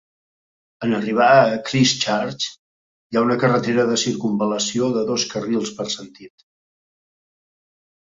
en arribar a Christchurch, hi ha una carretera de circumval·lació de dos carrils per sentit.